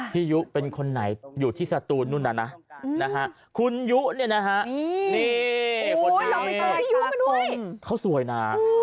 พี่ยุเป็นคนไหนอยู่ที่ศูนย์นู่นน่ะนะ